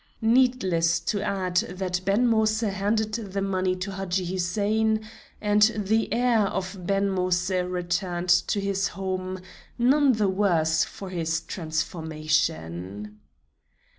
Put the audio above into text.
Needless to add that Ben Moïse handed the money to Hadji Hussein, and the heir of Ben Moïse returned to his home none the worse for his transformation.